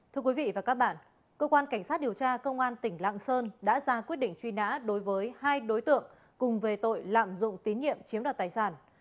thưa quý vị và các bạn cơ quan cảnh sát điều tra công an tỉnh lạng sơn đã ra quyết định truy nã đối với hai đối tượng cùng về tội lạm dụng tín nhiệm chiếm đoạt tài sản